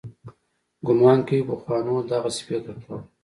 ګومان کوي پخوانو دغسې فکر کاوه.